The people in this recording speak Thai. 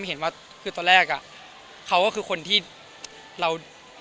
เห็นว่าคือตอนแรกอ่ะเขาก็คือคนที่เรา